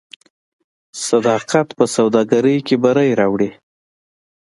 صداقت په سوداګرۍ کې بری راوړي.